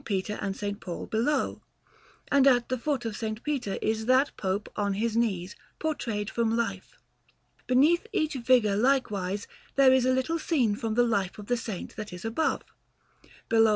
Peter and S. Paul below; and at the foot of S. Peter is that Pope on his knees, portrayed from life. Beneath each figure, likewise, there is a little scene from the life of the Saint that is above; below S.